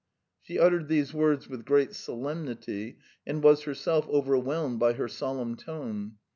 She uttered these words with great solemnity and was herself overwhelmed by her solemn tone.